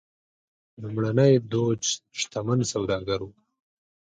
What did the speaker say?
لومړنی دوج شتمن سوداګر و.